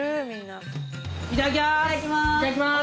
いただきます。